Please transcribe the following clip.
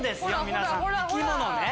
皆さん生き物ね。